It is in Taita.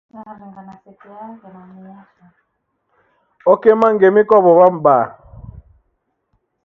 Okema ngemi kwa w'ow'a m'baa.